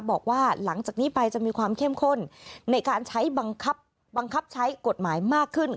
บอกว่าหลังจากนี้ไปจะมีความเข้มข้นในการใช้บังคับใช้กฎหมายมากขึ้น